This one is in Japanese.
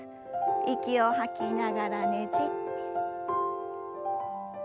息を吐きながらねじって。